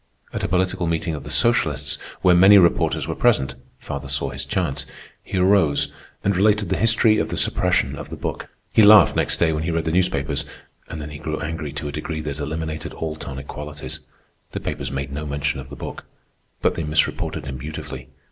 At a political meeting of the socialists, where many reporters were present, father saw his chance. He arose and related the history of the suppression of the book. He laughed next day when he read the newspapers, and then he grew angry to a degree that eliminated all tonic qualities. The papers made no mention of the book, but they misreported him beautifully.